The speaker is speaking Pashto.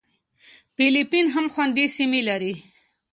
فېلېپین هم خوندي سیمې لري.